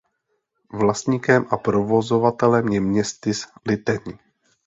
Vlastníkem a provozovatelem je Městys Liteň.